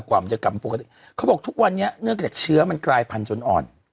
กว่ามันจะกลับมาปกติเขาบอกทุกวันนี้เนื่องจากเชื้อมันกลายพันธุจนอ่อน